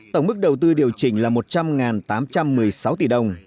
tổng mức đầu tư điều chỉnh là một trăm linh tám trăm một mươi sáu tỷ đồng